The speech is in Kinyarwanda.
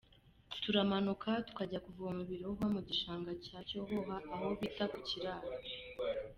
Turamanuka tukajya kuvoma ibirohwa mu gishanga cya Cyohoha aho bita ku Kiraro.